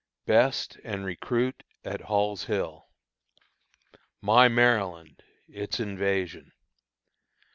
Best and Recruit at Hall's Hill. "My Maryland:" Its Invasion.